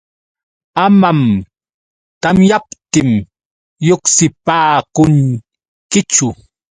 Amam tamyaptin lluqsipaakunkichu.